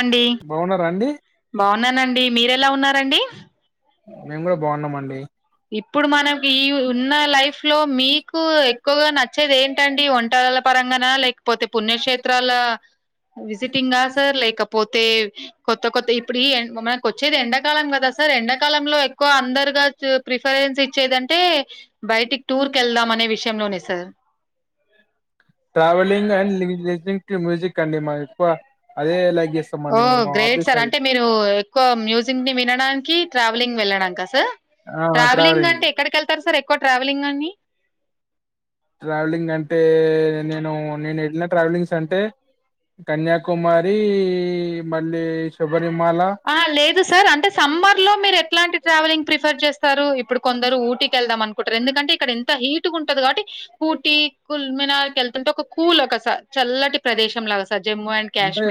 అండి బాగున్నారా అండి బాగున్నాన్ అండి మీరెలా ఉన్నార్ అండి మేమ్ కూడా బావున్నామ్ అండి ఇప్పుడు మనకి ఈ ఉన్న లైఫ్ లో మీకు ఎక్కువగా నచ్చేది ఏంట అండి ఒంట రాళ్ళ పరంగాన లేకపోతే పుణ్యక్షేత్రాల్లా విజిటింగా సార్ లేకపోతే కొత్త కొత్త ఇప్పుడు ఈ మనకి వచ్చేది ఎండాకాలం కదా సార్ ఎండాకాలం కాలంలో ఎక్కువ అందరుగా ప్రిఫరెన్స్ ఇచ్చేదంఅంటే బయటికి టూర్ కే ల్దాం అనే విషయంలోనే sir travelling and listening to music అండి మా ఎక్కువ అదే లైక్ అ ఓ చేస్తామండి మేము మా గ్రే ఎట్ ఆఫీస్ సార్ అది అంటే మీరు ఎక్కువ మ్యూజిక్ ని వినడానికి ట్రావెలింగ్ వెళ్ళడాని క సార్ ఆ ట్రావిలింగ్ ట్రావెలింగ్ అంటే ఎక్కడికి వెళ్తారు సార్ ఎక్కువ ట్రావెలింగ్ అని ట్రావెలింగ్ అంటే నేను నేను ఎళ్ళిన ట్రావెలింగ్స్ అంటే కన్యాకుమారి మళ్ళీ శబరిమాల ఆ లేదు సార్ అంటే సమ్మర్ లో మీరు ఎట్లాంటి ట్రావెలింగ్ ప్రిఫయర్ చేస్తారు ఇప్పుడు కొందరు ఊటీకి ఎళ్దామ్ అనుకుంటారు ఎందుకంటే ఇక్కడ ఎంత హీట్గా ఉంటది కాబట్టి ఊటీ కుల్మినార్కి వెళ్తుంటే ఒక కూల్ ఒకసార్ చల్లటి ప్రదేశం లాగా సార్ జమ్మూ అండ్ కశీ అదే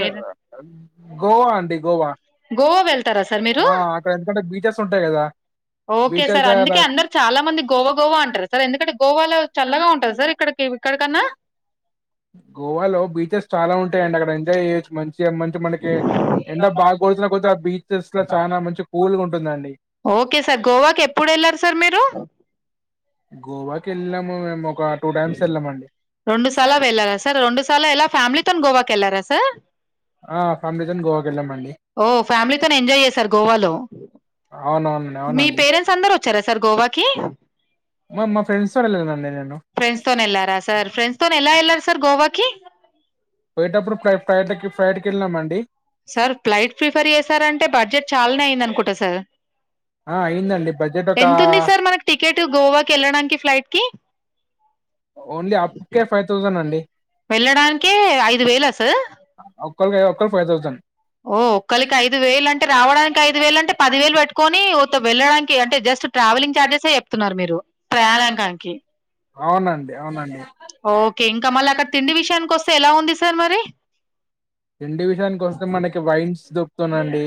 గోవా అండి గోవా గోవా వెళ్తారా సార్ మీరు అక్కడ ఎందుకంటే బీచ్ స్ ఉంటాయి కదా ఓకే బీచెస్ సార్ దగ్గర అందుకే అందరు చాలా మంది గోవా గోవా అంటారు సార్ ఎందుకంటే గోవాలో చల్లగా ఉంటదా సార్ ఇక్కడి కన్నా గోవాలో బీచెస్ చాలా ఉంటాయంండి అక్కడ ఎంజాయ్ చెయొచ్చు మంచిగా మనకి ఎ బాగా ఎండాకొడితే ఆ బీచెస్ లో చాలా మంచిగా కూల్గా ఉంటుందండి ఓకే సార్ గోవాకి ఎప్పుడు వెళ్లారు సార్ మీరు గోవాకి వెళ్ళినాము మేము ఒక టూ టైమ్స్ వెళ్ళామండి రెండు సార్లా వెళ్లారా సార్ రెండు సార్ల ఎలా ఫ్యామిలీతోని గోవాకి వెళ్లారా సార్ ఆ ఫ్యామిలీతోని గోవాకి వెళ్ళామండి ఓ ఫ్యామిలీతో ఎంజాయ్ చేసారు గోవాలో అవునవునండి మీ అవునండి పేరెంట్స్ అందరు వచ్చారా సార్ గోవాకి మా మా ఫ్రెండ్స్ తో వెళ్ళానండి నేను ఫ్రెండ్ తోనే వెల్లారా సార్ ఫ్రెండ్స్ తో ఎలా వెళ్లార్ సార్ గోవాకిి పోయేటప్పుడు ఫ్లైట్ ఎక్కి ఫ్లైట్ లో వెళ్ళామండి సార్ ఫ్లైట్ ప్రిఫర్ చేసారంటే బడ్జెట్ చాలానే అయింది అనుకుంటా సార్ ఆ అయిందండి బడ్జెట్ ఒక ఎంత ఉంది సార్ మనకు టికెట్ గోవాకి వెళ్ళడానికి ఫ్లైట్ కి ఓన్లీ ఫైవ్ థౌసండ్ అండి వెళ్ళడానికే ఐదు వేల సార్ ఒకరికి ఫైవ్ థౌసండ్ ఓ ఒక్కలికి ఐదు వేలు అంటే రావడానికి ఐదు వేలు అంటే పది వేలు పట్టుకొని ఉత్త వెళ్ళడానికి అంటే జస్ట్ ట్రావెలింగ్ చార్జెస్ చెప్తున్నారు మీరు ప్రయాణానికి అవునండి అవునండి ఓకే ఇంకా మళ్ళ అక్కడ తిండి విషయానికి వస్తే ఎలా ఉంది సార్ మరి తిండి విషయాని కోస్తే మనకి వైన్స్ దొరుకుతుంది అండి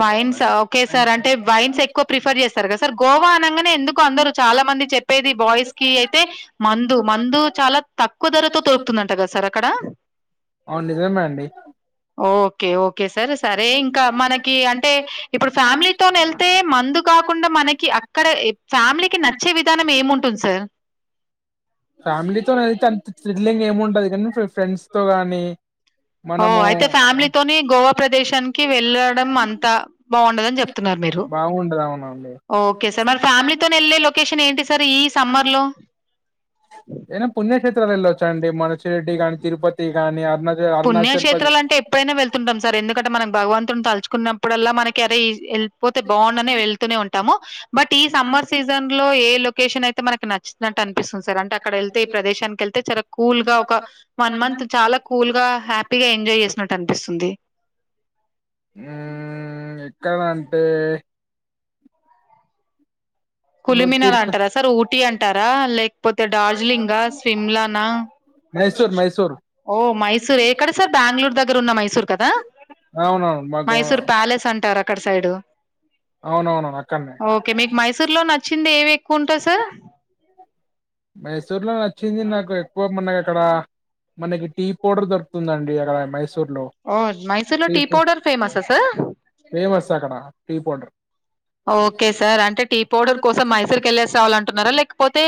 వైన్స్ ఓకే సార్ అంటే వైన్స్ ఎక్కువ ప్రిఫర్ చేస్తారు కదా సార్ గోవా అనగానే ఎందుకు అందరు చాలా కొంత మంది చెప్పేది బాయ్స్ కి అయితే మందు చాలా తక్కువ ధరతో దోరుకుతుందట కదా సార్ అక్కడ ఆ నిజమే అండి ఓకే ఓకే సార్ సరే ఇంకా మనకి అంటే ఇప్పుడు ఫ్యామిలీతో వెళ్తే మందు కాకుండా మనకి అక్కడ ఫ్యామిలీకి నచ్చే విధానం ఏముంటుంది సార్ ఫ్యామిలీతోనే వెళ్తే అంత థ్రిల్లింగ్ ఏమి ఉండదు కానీ ఫ్రెండ్స్ తో గాని ఓ మనము అయితే ఫ్యామిలీతోని గోవా ప్రదేశానికి వెళ్ళడం అంతా బాగుండదని చెప్తున్నారు మీరు. బాగుండదు అవునవును ఓకే సార్ మరి ఫ్యామిలీతోని వెళ్లేే లొకేషన్ ఏంటి సార్ ఈ సమ్మర్ లో అయినా పుణ్యక్షేత్రం పుణ్యక్షేత్రాలు వెళ్ళొచ్చండి మన షిరిడి గాని తిరుపతి గాని అరుణాచల్ అరుణాచల్ ప్రదేశ్ పుణ్యక్షేత్రాలు అంటే ఎప్పుడైనా వెళ్తుంటాం సర్ ఎందుకంటే మన భగవంత్ తలుచుకున్నప్పుడల్లా మనకి అరే వెళ్ళిపోతే బాగుండు అనే వెల్ ఉంటాము బట్ ఈ సమ్మర్ సీజన్ లో ఏ లొకేషన్ అయితే మనకి నచ్చినట్టు అనిపిస్తుందో సర్ అంటే అక్కడ వెళ్తే ఈ ప్రదేశానికి వెళ్తే చాలా కూల్ గా ఒక వన్ మంత్ చాలా కూల్ గా హ్యాపీ ఇగా ఎంజాయ్ చేసినట్టు అనిపిస్తుంది మ్మ్ ఎక్కడంటే ఇప్పుడు కులిమినార్ తిరుప అంటారా సార్ ఊటీ అంటారా లేకపోతే డార్జిలింగ సిమ్లానా మైసూర్ మైసూర్ ఓ మైసూర్ ఎక్కడ సార్ బెంగుళూరు దగ్గర ఉన్న మైసూర్ కదా అవునవును మాకు మైసూర్ ప్యాలెస్ అంటారు అక్కడ సైడు అవునవును అక్కన్నే సార్ లో నచ్చింది ఏవి ఎక్కువ మైసూర్ లో నచ్చ వచ్చింది నాకు ఎక్కువ మనకి అక్కడ మనకి టీ పౌడర్ దొరుకుతుంది అండి అక్కడ మై మైసూర్లో ఓ మైసూర్ లో టీ పౌడర్ ఫేమసా సార్ ఫేమస్ అక్కడ టీ పౌడర్ ఓకే సార్ అంటే టీ పౌడర్ కోసం మైసూర్ కి వెళ్ళేస్ కావాలంటున్నారా లేకపోతే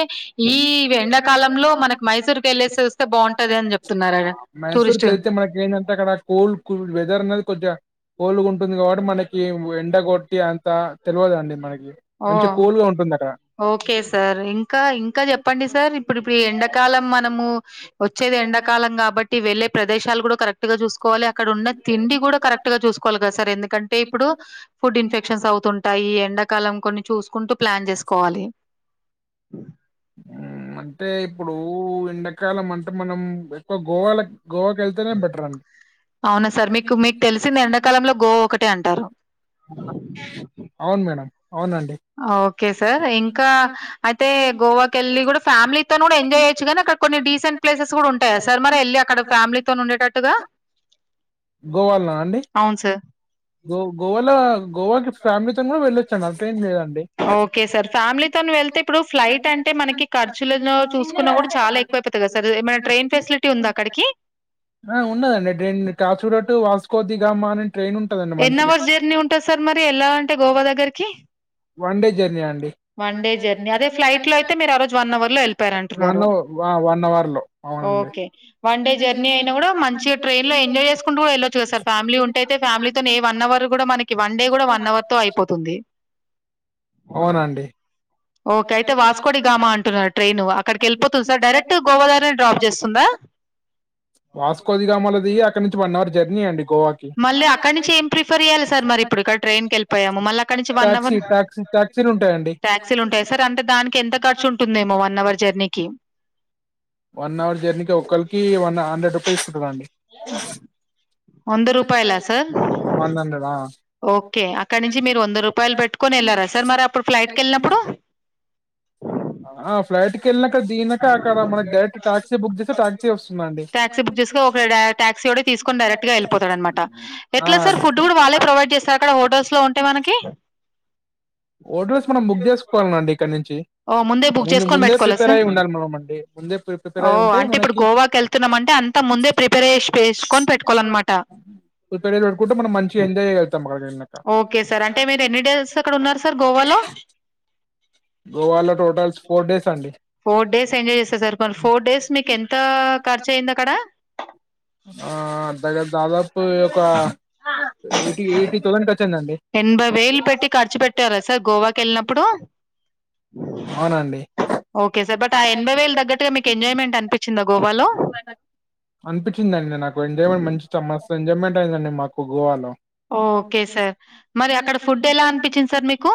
ఈ ఎండాకాలంలో మనకి మైసూరుకి వెళ్ళలేసి వస్తే బాగుంటది అని చెప్ న్నార మైసూర్కి వెళ్తే మనకి ఏంటంటే అక్కడ కూల్ కూల్ వెదర్ అనేది కొంచెం కోలుగా ఉంటుంది కాబట్టి మనకి ఎండగొట్టి అంతా తెలియదండి మనకి ఓ మంచి కూల్గా ఉంటుంది అక్కడ ఓకే సార్ ఇంకా ఇంకా చెప్పండి సార్ ఇప్పుడు ఇప్పుడు ఎండాకాలం మనము వచ్చేది ఎండ కాలం కాబట్టి వెళ్లే ప్రదేశాలు కూడా కరెక్ట్ గా వాలి అక్కడన్న తిండి కూడా కరెక్ట్ గా చూసుకోవాలి కదా సార్ ఎందుకంటే ఇప్పుడు ఫుడ్ ఇన్ఫెక్షన్స్ అవుతుంటాయి ఎండ కాలం కొన్ని చూసుకుంటూ ప్లాన్ చేసుకోవాలి ఉమ్ అంటే ఇప్పుడు ఎండాకాలం అంటే మనం ఎక్కువ గోవాల గోవాకి వెళ్తేనే బెటర్ అం అవునా సార్ మీకు మీకు తెలిసింది ఎండాకాలంలో గోవ ఒకటే అంటారు అవును మేడం అవునండి. ఓకే సార్ ఇంకా అయితే గోవా వెళ్ళి కూడా ఫ్యామిలితో కూడా ఎంజాయ్ చేయ్యచ్చు కానీ అడ కొన్ని డిసెంట్ ప్లేసెస్ కూడా ఉంటాయా సార్ మరి వెళ్ళి అక్కడ ఫ్యామిలీతో ఉండ టట్టుగా గోవాల్నా అండి గో గోవాలో గోవాకి ఫ్యామిలీతోని కూడా వెళ్ళొచు అట్లేమ్ లెద్ అడ ఓకే సార్ ఫ్యామిలీతో వెళ్తే ఇప్పుడు ఫ్లైట్ అంటే మనకి ఖర్చులు చూసుకున్నా కూడా చాలా ఎక్ ఎక్కువైపోతుంది కా సార్ ఏమైనా ట్రైన్ ఫెసిలిటీ ఉందా అక్కడికి ఆ ఉన్నదండి ట్రైన్ కాచూ రటు వాసుకో దిగామ అని ట్రైన్ ఉ ఎన్ అవర్స్ జర్నీ ఉంటంది సార్ మరి ఏల్లాలి అంటే గోవా దగ్గరకి వన్ డే జర్నీ అండి వన్ డే జర్నీ అదే ఫ్లైట్ లో అయితే మీరు ఆ రోజు వన్ అవర్ లో వెళ్ళపోయరంటున్నారు అవ ఆ! అవర్‌లో. వ అవునండి. ఓకే వన్ డే జర్నీ అయినా కూడా మంచిగా ట్రైన్ లో ఎంజాయ్ చేసుకుంటూ కూడా ఎల్లచ్చు కదా సర్ ఫ్యామిలీ ఉంటే అయితే ఫ్యామిలీతో డే వన్ అవర్ కూడా మనకి వన్ డే కూడా వన్ అవర్ తో అయిపోతుంది అవునండి ఓకే అయితే వాస్కోడిగామా అంటున్నారు ట్రైన్ అక్కడికి వెళ్ళిపోతుంది సార్ డైరెక్ట్ గోవా దగ్గర డ్రాప్ చేస్తుందా వాస్కో ది గామాలో దిగి అక్కడి నుంచి అవర్ జర్నీ అండి గోవాకి. మళ్ళీ అక్కడి నుంచి ఏం ప్రిఫర్ చేయాలి సార్ మరి ఇప్పుడు ట్రైన్ కి వెళ్ళిపోయాము మళ్ళ మరి అక్కడ నుంచి వన్ అవర్ టాక్సీ టాక్సీ నుంచి టాక్సీలుంటాయండి. టాక్సీ ఉంటాయి సార్ అంటే దానికి ఎంత ఖర్చు ఉంటుందేమో వన్ అవర్ జర్నీకి వన్ అవర్ జర్నీకి ఒకళ్రికి వన్ హండ్రెడ్ రూపీస్ ఉంటుందండి వంద రూపాయలా సార్ వన్ హండ్రెడ్ ఆ ఓకే అక్కడ నుంచి మీరు వంద రూపాయలు పెట్టుకొని వెళ్ళారా సార్ మరి అప్పుడు ఫ్లైట్ క వెళ్ళినప్పుడు ఆ ఫ్లైట్ కి వెళ్ళినాక దీనక అక్కడ మనకి డైరెక్ట్ టాక్సీ బుక్ చేస్తే టాక్సీ వస్తుందండి టాక్సీ బుక్ చేసుకో ఒక టా ఆ ఎట్లా సార్ ఫుడ్ కూడా వాళ్ళే ప్రొవైడ్ చేస్తారు అక్కడ హోటల్స్ లో ఉంటాయి మనకి ఓడ్రల్స్ మనం బుక్ చేసుకోవాలండి ఇక్కడ నుంచి ఓ ముందే బుక్ ముందు చేసుకొని ముందే పెట్టుకోవాలా ప్రిపేర్ సార్ అయి ఉండాలి మనం అండి ముందే ప్రిపేర్ అయి్య ఉంటే మనకి అంతా ముందే ప్రిపరేషేసుకొని పెట్టుకోవాలన్నమాట ప్రిపేర్ చేసి పెట్టుకుంటే మనం మంచిగా చేయగలుగుతాం అక్కడ ఓకే సార్ అంటే మీరు ఎన్ని డేస్ అక్కడ ఉన్నారు సార్ గోవాలో గోవాలో టోటల్ ఫోర్ డేస్ అండి ఫోర్ డేస్ ఎంజాయ్ చేశారా సార్ మ ఫోర్ డేస్ మీకు ఎంత ఖర్చు అయింది అక్కడ ఆ దగ్గర దాదాపుగా ఒక ఎయిటీ ఎయిటీ థౌసండ్ క నదండి న్ట్టారా సార్ గోవాకెళ్ళినప్పుడు ఔనండి ఒకే సర్ బట్ ఆ ఎనభై వేల్ దగ్గట్టుగా మీకెంజాయ్మెంట్ అనిపించిద్దా గోవాలో అనిపించిదండి నాకు ఎంజాయ్మెంట్ మంచి చ మస్తు ఎంజాయ్మెంట్ ఐందండి మాకు గోవాలో ఓకె సార్ మరి అక్కడ ఫుడ్ ఎలా అనిపించింది సర్ మికూ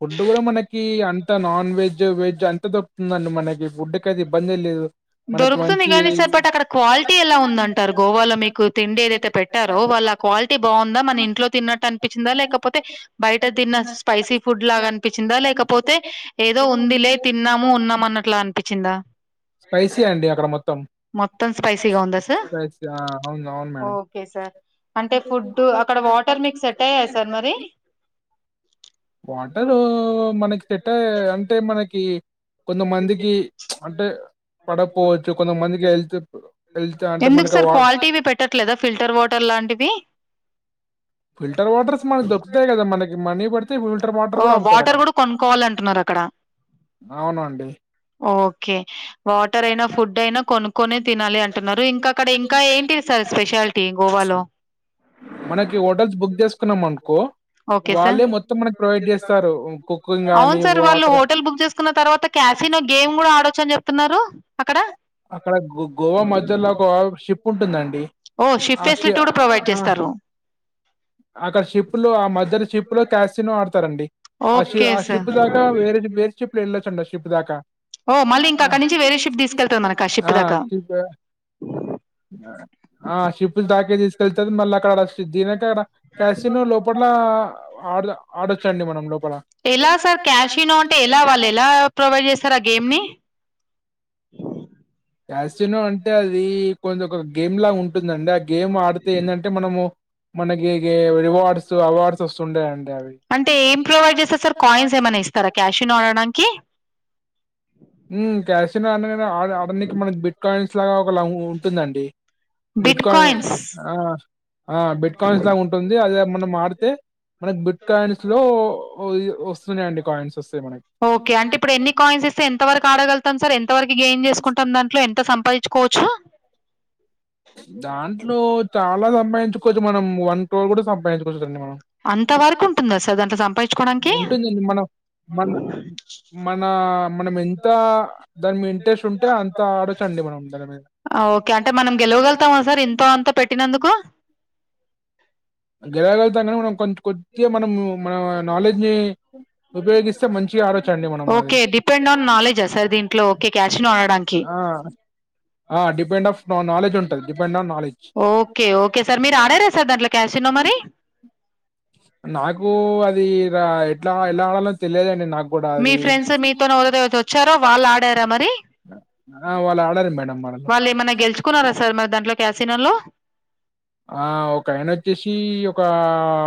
ఫుడ్డు గుడా మనకీ అంత నాన్ వెజ్ వెజ్ అంత దొర్క్తుందండి మనకి ఫుడ్ కైతే ఇబ్బందే లేదు మనకి దొరుక్తుంది మంచి గనీ సర్ బట్ అక్కడ క్వాల్టీ ఎలా ఉందంటారు గోవాలో మీకు తిండి ఏదైతే పెట్టారో వ ల క్వాల్టీ బాగుంద మన ఇంట్లో తిన్నట్టు అనిపించిందా లేకపోతే బయట తిన్న స్పైసీ ఫుడ్ లాగా అనిపిచిందా లేకపోతే ఏదో ఉంది లే తిన్నాము ఉన్నాము అన్నట్లా అనిపించిందా స్పైసీ అండి అక్కడ మోత్తం మోత్తం స్పైసీగ ఉందా సర్ అవును. అవును మేడం. ఓకె సర్ అంటె ఫుడ్డు అక్కడ వాటర్ మీక్ సెట్టైయ్యాయ సర్ మరి వాటరూ మనకి పెద్దా అంటే మనకి కొంతమందికి అంటే పడపోవచ్చు కొంతమందికి హెల్త్ హెల్త్ అంటే ఎందుక్ మనకి సర్ వా క్వాలిటీవి పెట్టట్లేద ఫిల్టర్ వాటర్ లాంటివి ఫిల్టర్ వాటర్స్ మనకు దొరుకుతాయి గదా! మనకి మనీ బడితే ఫిల్టర్ వాటర్ ఓ గూడా వాటర్ అమ్ముతారక్కడ. గుడా కొనుక్కవాలంటున్నారు అక్కడ అవునండి. ఓకె వాటర్ ఐనా ఫుడ్ ఐనా కొనుక్కొనే తినాలి అంటున్నారు ఇంక అక్కడ ఇంకా ఏంటిది సార్ స్పెషాల్టీ గోవా లో మనకి హోటల్స్ బుక్ జేస్ కున్నం అన్కో ఓకే వాళ్ళే మొత్తం మనకి ప్రొవైడ్ జేస్తారు కుకింగ్ ఔను గాని, సర్ వాళ్ళు వాటర్ హోటల్ బుక్ జేస్కున్న తర్వాత క్యాసినో గేమ్ గుడా ఆడొచ్చు అని జెప్తున్నారు అక్కడ అక్కడ గొ గోవా మధ్యల ఒక షిప్ ఉంటుందండి ఓహ్! షిప్ అదే. అ షి ఫెసిలిటీ ఆ గూడా ప్రొవైడ్ అ చేస్తారు. అక్కడ షిప్ లో ఆ మధ్యల షిప్ లో క్యాసినో ఆడ్తరండి మీరు ఆ షి ఓకే ఆ సార్. షిప్ దాకా వేరేది వేర్ షిప్ లో వెళ్ళొచ్చండి ఆ షిప్ దాక ఒ మళ్ళింకక్కనించి ఆ షిప్ ఆ షిప్ ద క తీసుకెళ్తార్ మళ్ళ అకాడ తినే కాడ క్యాసినో లోపల ఆడ్ద ఆడోచ్చండి మనం లోపల ఎలా సార్ క్యాషినో అంటె ఎలా వాళ్ళేలా ప్రొవైడ్ జేస్తరు ఆ గేమ్ ని క్యాసినో అంటె అదీ కొంజంక గేమ్ లా ఉంటుందండి ఆ గేమ్ ఆడితే ఏంటంటే మనము మనకి గే రివార్డ్స్ అవార్డ్స్ ఒస్తుంటాయండి అవి ఇస్తర క్యాశినో ఆడడానికి ఉమ్ క్యాసిన అన ఆడనికి మనక్ బిట్ కాయిన్స్ లాగా ఒక ల ఉంటుందండి బిట్ బిట్కాయిన్ కాయిన్స్ అ ఆ బిట్కాయిన్స్ లాగుంటుంది అదిద మనం ఆడ్తే మనక్ బిట్ కాయిన్స్లో ఒ ఇ ఒస్తున్నయండి కాయిన్స్ ఒస్ ఓకె అంటిప్పుడు ఎన్ని కాయిన్స్ ఇస్తే ఎంత వరక్ ఆడగల్తాం సర్ ఎంతవరకి గేన్ చేస్కుంటం దాంట్లో ఎంత సంపాఇచ్చుకోచ్చు దాంట్లో చాలా సంపాదించుకోవచ్చు మనం వన్ క్రో గుడా సంపాదించుకోచ్చండి మనం అంత వరకు ఉంటుందా సార్ దాంట్లో సంపాదించుకోవడానికి ఉంటుంది మనం మన్ మనా మనమెంత దాన్ మీ ఇంట్రెస్ట్ ఉంటే అంత ఆడచం ఇట్లేమన ఉంటార అ ఓకె అంటె మనం గెలవగల్తామ సర్ ఇంతో అంతో పెట్టినందుకు గెలగల్గుతం గనీ మనం కొంచ్ కొద్దిగా మనం మనా నాలెడ్జి ఉపయోగిస్తే మంచిగా ఆడోచండి మనం అది ఓకే డిపెండ్ ఆన్ నాలెడ్జా సార్ దీంట్లో ఓకే క్యాషినో ఆడడానికి ఆ అ డిపెండ్ ఆఫ్ న నాలెడ్జ్ ఉంటది depend on knowledge okay okay sir మీరు ఆడార సార్ దాంట్లో క్యాష్. నాకు అది, ఎట్లా ఎలా ఆడాలో తెలియదు అండి నాకు కూడా మీ అది ఫ్రెండ్స్ మీతోనే ఎవారోతో వచ్చారో వాళ్ళు ఆడారా మరి. ఆ వాళ్ళు ఆడారు మేడం మనలో వాళ్ళు ఏమైన్నా గెలుచుకున్నారా సార్ మరి దాంట్లో క్యాసిన లో ఆ ఒక ఆయన వచ్చేసి ఒక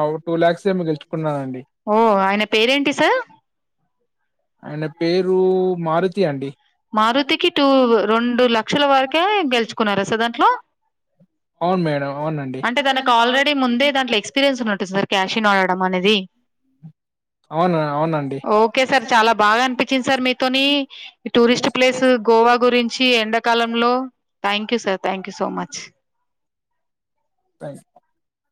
ఓ ట్వలాక్స్ ఏమో గెలుచుకున్నానండి ఓ ఆయన పేరేంటి సార్ ఆయన పేరు మారుతి అండి. మారుతికి టూ రెండు లక్షల వరకే గెలుచుకున్నార సార్ దాంట్లో అవును మేడం అవునండి అంటే తనకు ఆల్రెడీ ముందే దాంట్లో ఎక్స్పీరియన్స్ ఉన్నటూ సార్ క్యాష్ నడడం అనేది అవును అవునండి ఓకే సార్ చాలా బాగా అనిపించింది సార్ మీతోని ఈ టూరిస్ట్ ప్లేస్ గోవా గురించి ఎండాకాలంలో thank you sir thank you so much థ్యాక్